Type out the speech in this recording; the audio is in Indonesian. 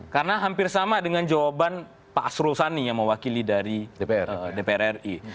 karena hampir sama dengan jawaban pak asrul sani yang mewakili dari dpr ri